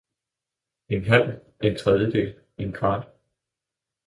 en halv, en tredjedel, en kvart